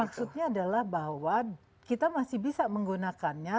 maksudnya adalah bahwa kita masih bisa menggunakannya